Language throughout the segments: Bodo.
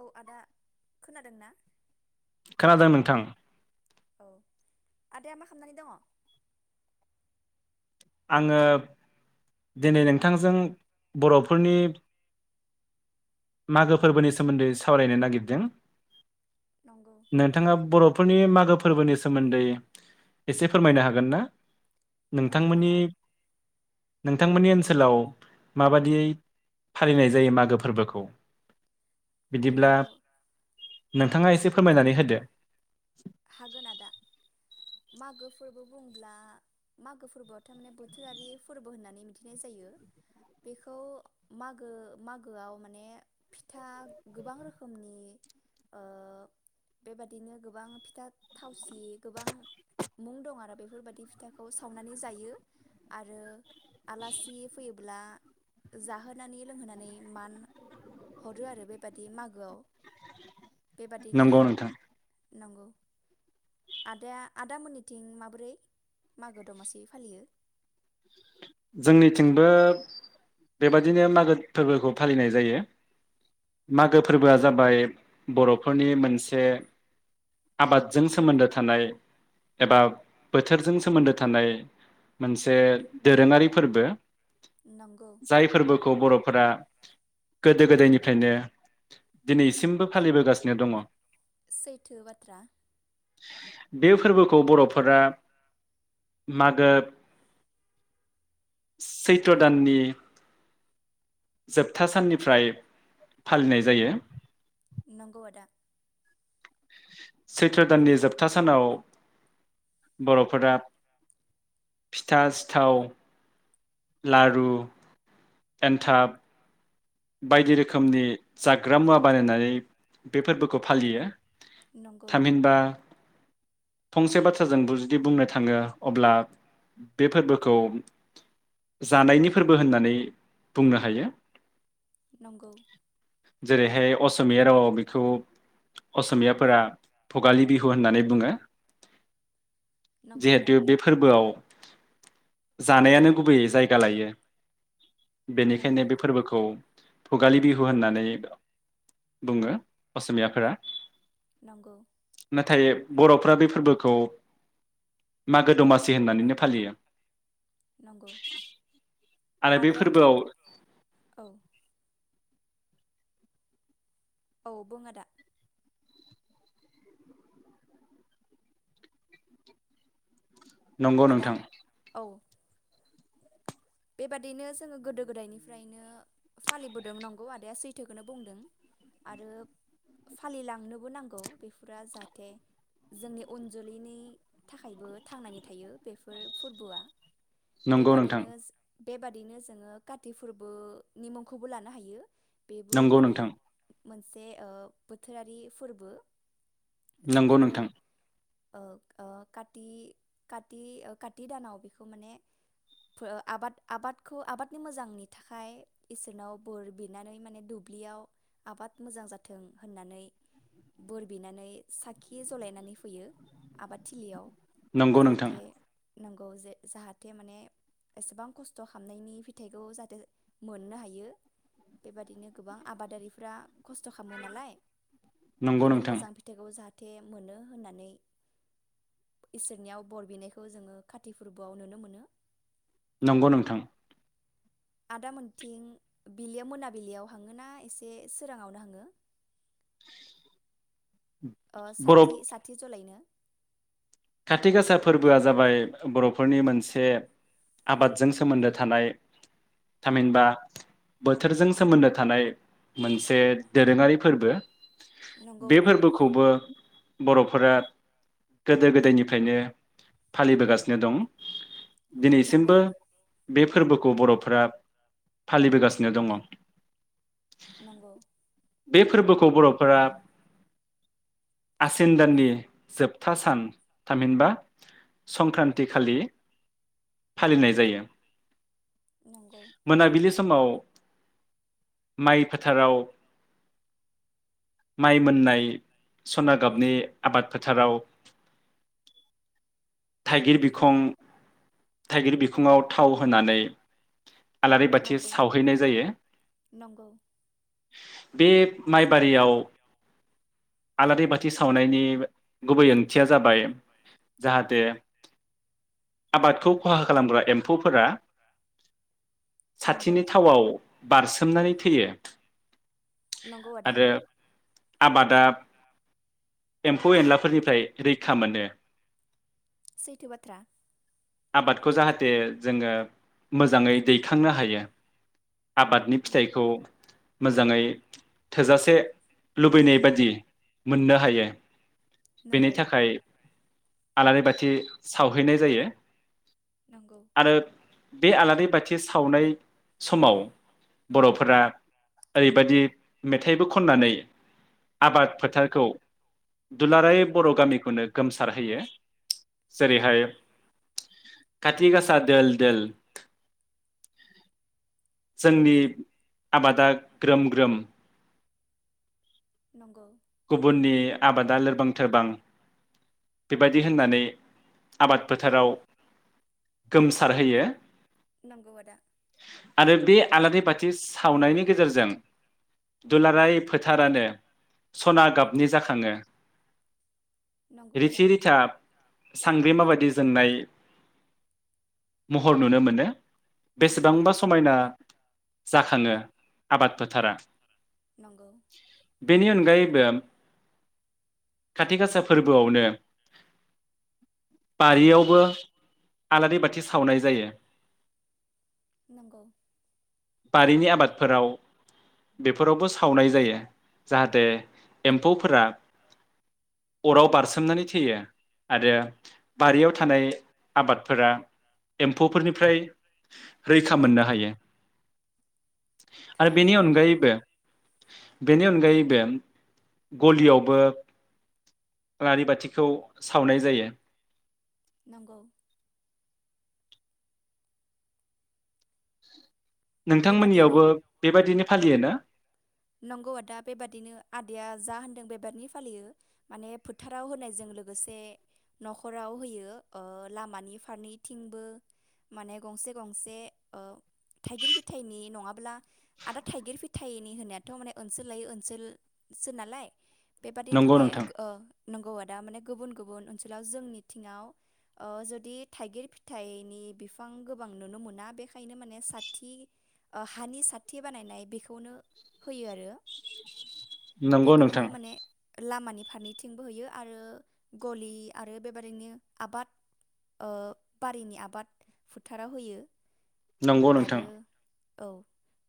औ आदा खोनादों ना? खोनादों नोंथां। औ आदाया मा खामनानै दङ? आङो दिनै नोंथांजों बर'फोरनि मागो फोरबोनि सोमोन्दै सावरायनो नागिरदों। नंगौ नोंथाङा बर'फोरनि मागो फो फोर्बोनि सोमोन्दै एसे फोरमायनो हागोन ना? नंगौ नोंथांमोननि आदा नोंथांमोननि ओनसोलाव माबादियै फालिनाय जायो मागो फोर्बोखौ? बिदिब्ला नंगौ नोंथाङा एसे फोरमायनानै होदो। हागोन आदा। मागो फोर्बो बुंब्ला मागो फोर्बोआव थारमाने बोथोरारि फोर्बो होननानै मिथिनाय जायो। बेखौ मागो मागोआव माने फिथा गोबां रोखोमनि ओ बेबादिनो गोबां फिथा थावसि गोबां मुं दं आरो बेफोरबादि फिथाखौ सावनानै जायो। आरो आलासि फैयोब्ला जाहोनानै लोंहोनानै मान हरो आरो बेबादि मागोआव। बेबादिनो नंगौ नोंथां नंगौ। आदाया आदा मोननिथिं माबोरै मागो दमासि फालियो? जोंनिथिंबो बेबायदिनो मागो फोर्बोखौ फालिनाय जायो। मागो फोर्बोआ जाबाय बर'फोरनि मोनसे आबादजों सोमोन्दो थानाय एबा बोथोरजों सोमोन्दो थानाय मोनसे दोरोङारि फोर्बो। नंगौ जाय फोर्बोखौ बर'फोरा गोदो गोदायनिफ्रायनो दिनैसिमबो फालिबोगासिनो दङ। सैथो बाथ्रा। बे फोर्बोखौ बर'फोरा मागो चैत्र दाननि जोबथा साननिफ्राय फालिनाय जायो नंगौ आदा सैथ्र दाननि जोबथा सानाव बरफोरा फिथा सिथाव लारु एन्थाब बायदि रोखोमनि जाग्रा मुवा बानायनानै बे फोरबोखौ फालियो नंगौ थामहिनबा फंसे बाथ्राजों जुदि बुंनो थाङो अब्ला बे फोरबोखौ जानायनि फोरबो होननानै बुंनो हायो नंगौ जेरैहाय अस असमिया रावआव बेखौ असमियाफोरा भगालि बिहु होननानै बुङो नंगौ आदा जिहेतु बे फोरबोआव जानायानो गुबैयै जायगा लायो नंगौ बेनिखायनो बे फोरबोखौ भुगालि बिहु होननानै बुङो असमियाफोरा नंगौ नाथाय बरफ्रा बे फोरबोखौ मागो दमासि थि होननानैनो फालियो नंगौ आरो बे आदाया थिग फोरबोआव औ औ बुं आदा नंगौ आदा नोंथां औ बेबादिनो जोङो गोदो गोदायनिफ्रायनो फालिबोदों नांगौ आदाया सैथोखौनो बुंदों आरो फालिलांनोबो नांगौ बेफोरा जाहाथे जोंनि अनजोलैनि थाखायबो थांनानै थायो बेफोर फोरबोआ नंगौ नोंथां बेबादिनो बेबादिनो जोङो काति फोरबोनि मुंखौबो लानो हायो बेबो नंगौ माने नोंथां मोनसे ओ बोथोरारि फोरबो नंगौ बेखौ नोंथां ओ काति काति ओ काति दानाव बेखौ माने आबाद आबादखौ आबादनि मोजांनि थाखाय इसोरनाव बोर बिनानै माने दुब्लियाव आबाद मोजां जाथों होननानै बोर बिनानै साखि जलायनानै होयो आबाद थिलियाव नंगौ नोंथां नंगौ जे जाहाथे माने एसेबां खस थ'' खामनायनि फिथाइखौ जाहाथे मोननो हायो। बेबादिनो गोबां आबादारिफ्रा खस्थ' खामो नालाय नंगौ बेनि नोंथां मोजां फिथाइखौ जाहा थे मोनो होननानै इसोरनियाव बर बिनायखौ जोङो काथि फोरबोआव नुनो मोनो। नंगौ नोंथां। आदा मोनथिं बिलियाव मोनाबिलियाव हाङो ना एसे सोराङावनो हाङो? ओ बर' साथि साथि जलायनो। खाथि गासा फोरबोआ जाबाय बर'फोरनि मोनसे आबादजों सोमोन्दो थानाय थामहिनबा बोथोरजों सोमोन्दो थानाय मोनसे दोरोङारि फोरबो। नंगौ बे आदा फोरबोखौबो बर'फोरा गोदो गो [unintelligible] निफ्रायनो फालिबोगासिनो दं। नंगौ दिनैसिमबो बे फोरबोखौ बर'फोरा फालिबोगासिनो दङ'। नंगौ बे फोरबोखौ बर'फोरा आसिन दाननि जोबथा सान थामहिनबा संक्रान्ति खालि फालिनाय जायो। नंगौ मोनाबिलि समाव माइ फोथाराव माइ मोननाय स'ना गाबनि आबाद फोथाराव थाइगिर बिखं थाइगिर बिखङाव थाव होनानै आलारि बाथि नंगौ सावहैनाय जायो। नंगौ बे माइबारियाव आलारि बाथि सावनायनि गुबै ओंथिया जाबाय जाहाथे आबादखौ खहा खालामग्रा एम्फौफोरा नंगौ साथिनि थावआव बारसोमनानै थैयो नंगौ आदा आरो आबादाब एम्फौ एनलाफोरनिफ्राय रैखा मोनो। सैथो बाथ्रा। आबादखौ जाहाथे जोङो मोजाङै दैखांनो हायो। आबादनि फिथाइखौ मोजाङै थोजासे लुबैनाय बादि मोननो हायो। बेनि नंगौ थाखाय आलारि बाथि सावहैनाय जायो। नंगौ। आरो बे आलारि बाथि सावनाय समाव बर'फोरा ओरैबायदि मेथाइबो खननानै आबाद फोथारखौ दुलाराय बर' गामिखौनो गोमसारहोयो। जेरैहाय खाथि गासा दोल दोल जोंनि आबादा ग्रोम ग्रोम नंगौ। गुबुननि आबादा लोरबां थोरबां बेबायदि होननानै आबाद फोथाराव गोमसारहोयो। नंगौ आदा आरो बे आलारि बाथि सावनायनि गेजेर जों दुलाराय फोथारानो सना गाबनि जाखाङो नंगौ आदा [unintelligible] रिथा सांग्रिमा बादि [unintelligible] महर नुनो मोनो नंगौ बेसेबांबा समायना जाखाङो आबाद फोथारा नंगौ बेनि अन [unintelligible] [unintelligible] खासा फोरबोआवनो बारियावबो आलारि बाथि सावनाय जायो नंगौ बारिनि आबादफोराव बेफोरावबो सावनाय जायो जाहाथे एम्फौफोरा अराव बार [unintelligible] थैयो आरो बारियाव थानाय आबादफोरा एम्फौफोरनिफ्राय रैखा मोननो हायो आरो थारैनो बेनि आदा नंगौ अनगायैबो बेनि अनगायैबो गलियावबो आलारि बाथिखौ सावनाय जायो। नंगौ [inaudible] बेबादिनो नोंथांमोननियावबो बेबायदिनो फालियोना? नंगौ आदा बेबादिनो आदाया जा होनदों बेबादिनो फालियो। माने फोथाराव होनायजों लोगोसे न'खराव होयो ओ लामानि फारनैथिंबो माने गंसे गंसे ओ थाइगिर फिथाइनि नङाब्ला आदा थाइगिर फिथाइनि होनाय थ' माने ओनसोल लायो ओनसोलसो नालाय। बेबादिनो नंगौ मालाय नोंथां ओ नंगौआ दा माने गुबुन गुबुन ओनसोलाव जोंनिथिङाव ओ जुदि थाइगिर फिथाइनि बिफां गोबां नुनो मोना बेखायनो माने साथि ओ हानि साथि बानायनाय बेखौनो होयो आरो। नंगौ नोंथां बेखौनो माने लामानि फारनैथिंबो होयो आरो गलि आरो बेबादिनो आबाद ओ बारिनि आबाद फोथाराव होयो। नंगौ नोंथां आरो औ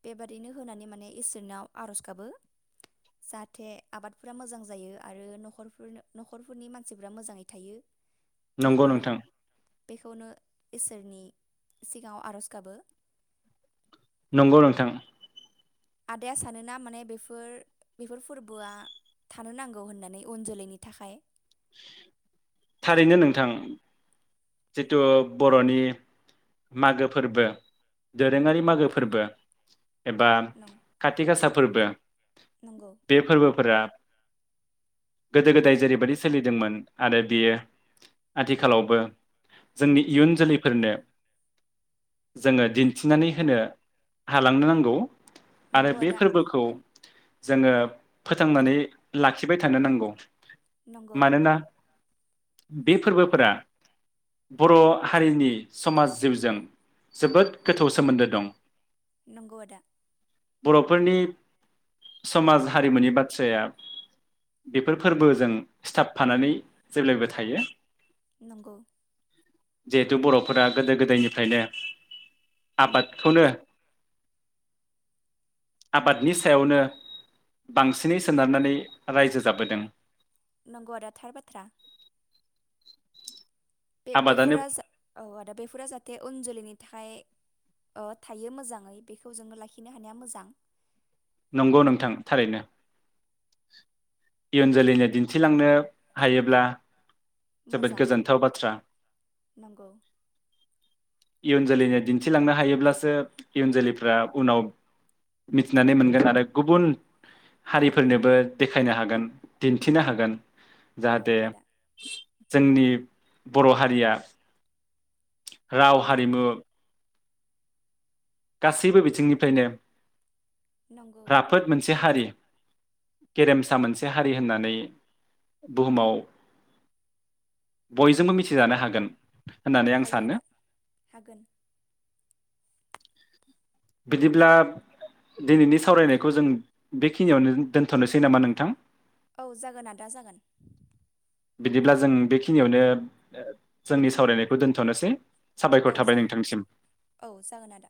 बेबादिनो होनानै माने इसोरनाव आरज गाबो जाहाथे आबादफोरा मोजां जायो आरो नखरफोर न'खरफोरनि मानसिफ मोजाङै थायो। नंगौ बेखौनो नोंथां बेखौनो इसोरनि सिगाङाव आर'ज गाबो। नंगौ नोंथां आदाया सानोना माने बेफोर बेफोर फोरबोआ थानो नांगौ होननानै उन जोलैनि थाखाय। थारैनो नोंथां जिथु बर'नि मागो फोरबो दोरोङारि मागो फोरबो एबा नं खाथि गासा फोरबो नंगौ बे फोरबोफोरा गोदो गोदाय जेरैबायदि सोलिदोंमोन आरो बियो आथिखालावबो जोंनि इयुन जोलैफोरनो जोङो दिन्थिनानै होनो हालांनो नांगौ। आरो नंगौ बे आदा फोरबोखौ जोङो फोथांनानै लाखिबाय थानो नांगौ। नंगौ मानोना बे फोरबोफोरा बर' हारिनि समाज जिउजों जोबोद गोथौ सोमोन्दो दं। नंगौ आदा बर'फोरनि समाज हारिमुनि बाथ्राया बेफोर फोरबोजों सिथाबफानानै जेब्लायबो थायो। नंगौ। जिहेथु बर'फोरा गोदो गोदायनिफ्रायनो आबादखौनो आबादनि सायावनो बांसिनै सोनारनानै रायजो जाबोदों। नंगौ आदा थार बाथ्रा। [inaudible] बे आबादानो बेफोरा औ आदा बेफोरा जाहाथे उन जोलैनि थाखाय ओ थायो मोजाङै बेखौ जोङो लाखिनो हानाया मोजां। नंगौ नोंथां थारैनो। इयुन जोलैनो दिन्थिलांनो हायोब्ला जोबोद मोजां गोजोन्थाव बाथ्रा। नंगौ इयुन जोलैनो दिन्थिलांनो हायोब्लासो इयुन जोलैफ्रा उनाव मिथिनानै मोनगोन आरो गुबुन हारिफोरनोबो देखायनो हागोन दिन्थिनो हागोन। जाहाथे नंगौ आदा जोंनि बर' हारिया राव हारिमु गासैबो न- बिथिंनिफ्रायनो नंगौ [inaudible] राफोद मोनसे हारि। [inaudible] गेरेमसा मोनसे हारि होननानै बुहुमाव बयजोंबो मिथिजानो हागोन होननानै आं हायो सानो आदा हागोन बिदिब्ला दिनैनि सावरायनायखौ जों बेखिनियावनो दोनथ'नोसै नामा नोंथां? औ जागोन आदा जागोन बिदिब्ला जों बेखिनियावनो जोंनि सावरायनायखौ दोन्थ'नोसै औ साबायखर जा थाबाय नोंथांसिम औ जागोन आदा